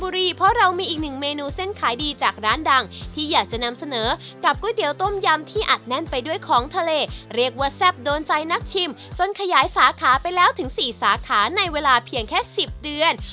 ร้านดังที่อยากจะนำเสนอกับก๋วยเตี๋ยวต้มยำที่อัดแน่นไปด้วยของทะเลเรียกว่าแซ่บโดนใจนักชิมจนขยายสาขาไปแล้วถึง๔สาขาในเวลาเพียงแค่๑๐เดือน